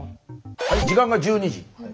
はい時間が１２時。